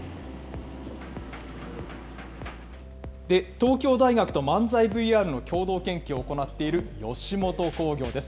東京大学と漫才ＶＲの共同研究を行っている吉本興業です。